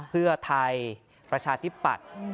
เพื่อไทยประชาธิปัตย์